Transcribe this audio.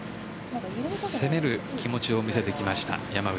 気持ちを見せてきました山内。